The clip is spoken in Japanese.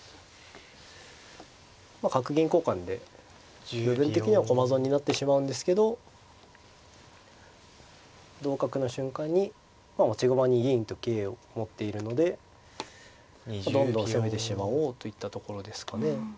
角銀交換で部分的には駒損になってしまうんですけど同角の瞬間に持ち駒に銀と桂を持っているのでどんどん攻めてしまおうといったところですかね。